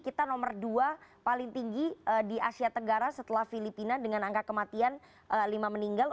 kita nomor dua paling tinggi di asia tenggara setelah filipina dengan angka kematian lima meninggal